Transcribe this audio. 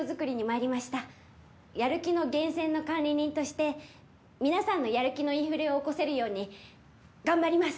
やる気の源泉の管理人として皆さんのやる気のインフレを起こせるように頑張ります